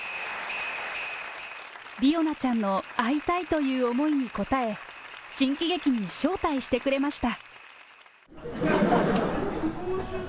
理央奈ちゃんの会いたいという思いに応え、新喜劇に招待してくれました。